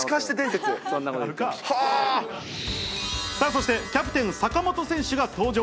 そしてキャプテン、坂本選手が登場。